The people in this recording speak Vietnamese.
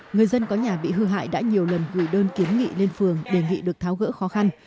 người dân có nhà bị hư hại đã nhiều lần gửi đơn kiến nghị lên phường đề nghị được tháo gỡ khó khăn